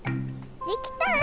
できた！